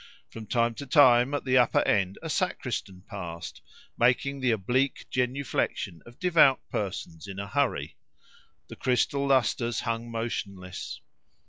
From time to time at the upper end a sacristan passed, making the oblique genuflexion of devout persons in a hurry. The crystal lustres hung motionless.